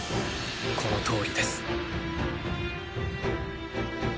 このとおりです。